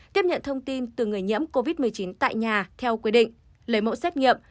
tiếp nhận thông tin từ người nhiễm covid một mươi chín tại nhà theo quy định lấy mẫu xét nghiệm